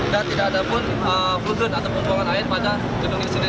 dan tidak ada pun flugen atau pembuangan air pada gedung ini